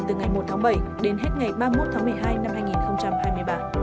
từ ngày một tháng bảy đến hết ngày ba mươi một tháng một mươi hai năm hai nghìn hai mươi ba